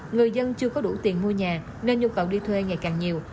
người dân chưa có đủ tiền mua nhà nên nhu cầu đi thuê ngày càng nhiều